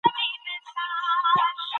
مسیحا زما په څنګ کې پاتي شو.